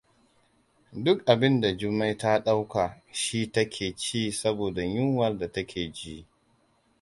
Duk abinda Jummai ta ɗauka shi ta ke ci saboda yunwar da take ji.